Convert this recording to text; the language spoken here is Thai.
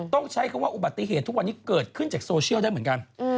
ต้องใช้คำว่าอุบัติเหตุทุกวันนี้เกิดขึ้นจากโซเชียลได้เหมือนกัน